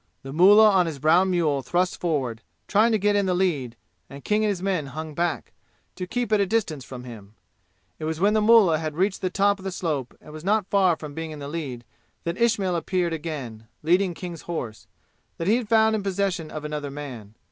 The mullah on his brown mule thrust forward, trying to get in the lead, and King and his men hung back, to keep at a distance from him. It was when the mullah had reached the top of the slope and was not far from being in the lead that Ismail appeared again, leading King's horse, that he had found in possession of another man.